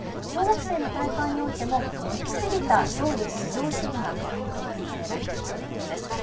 小学生の大会においても行き過ぎた勝利至上主義が散見されるというものです。